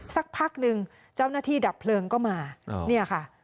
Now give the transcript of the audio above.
สักพักหนึ่งเจ้าหน้าที่ดับเพลิงก็มาเนี่ยค่ะ